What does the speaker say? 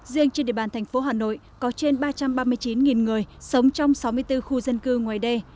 riêng trên địa bàn thành phố hà nội có trên ba trăm ba mươi chín người sống trong sáu mươi bốn khu dân cư ngoài đê